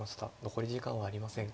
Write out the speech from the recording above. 残り時間はありません。